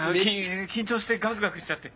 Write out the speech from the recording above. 緊張してガクガクしちゃって。